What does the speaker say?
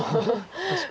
確かに。